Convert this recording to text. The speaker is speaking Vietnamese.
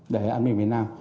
để an ninh miền nam